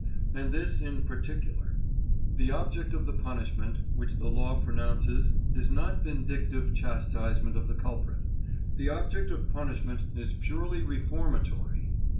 And this, in particular. The object of the punishment which the law pronounces is not vindictive chastisement of the culprit. The object of punishment is purely reformatory.